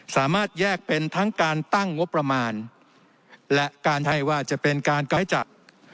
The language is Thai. สามารถแยกเป็นทั้งการตั้งงบประมาณและการให้ว่าจะเป็นการก้อยจัด